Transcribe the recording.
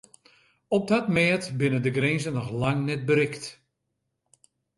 Op dat mêd binne de grinzen noch lang net berikt.